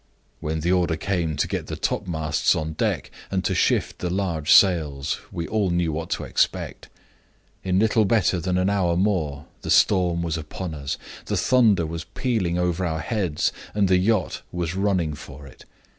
When the order came to get the topmasts on deck, and to shift the large sails, we all knew what to expect. In little better than an hour more, the storm was upon us, the thunder was pealing over our heads, and the yacht was running for it.